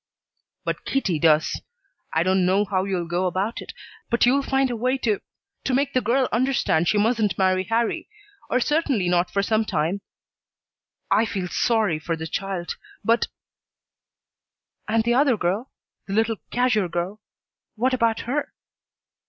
"But Kitty does. I don't know how you'll go about it, but you'll find a way to to make the girl understand she mustn't marry Harrie, or certainly not for some time. I feel sorry for the child, but " "And the other girl the little cashier girl? What about her?"